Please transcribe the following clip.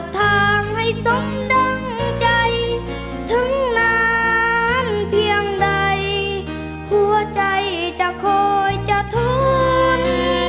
ทั้งนานเพียงใดหัวใจจะโคยจะทุน